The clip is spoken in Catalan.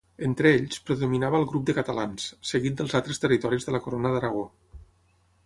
Entre ells, predominava el grup de catalans, seguit dels d'altres territoris de la Corona d'Aragó.